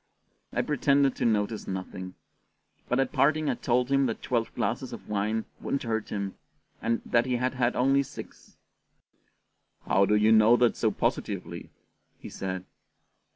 I pretended to notice nothing; but at parting I told him that twelve glasses of wine wouldn't hurt him, and that he had had only six. "How do you know that so positively?" he said.